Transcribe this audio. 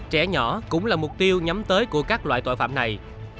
trẻ nhỏ cũng là mục tiêu nhắm tới của các loại tội phạm này